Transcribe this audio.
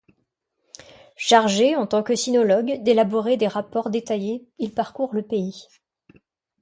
Chargé, en tant que sinologue, d'élaborer des rapports détaillés, il parcourt le pays.